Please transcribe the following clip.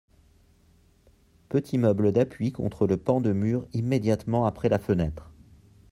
Petit meuble d'appui contre le pan de mur immédiatement après la fenêtre.